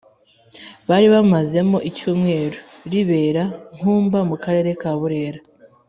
bari bamazemo icyumweru, ribera i nkumba mu karere ka burera.